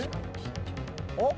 あっ！